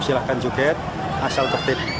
silahkan joget asal tertib